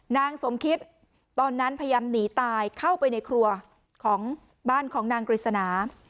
นางสมคิตตอนนั้นพยายามหนีตายเข้าไปในครัวของบ้านของนางกฤษณา